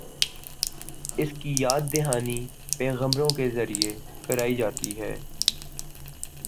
اس کی یاد دہانی پیغمبروں کے ذریعے کرائی جاتی ہے۔